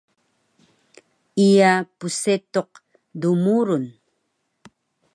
Iya psetuq dmurun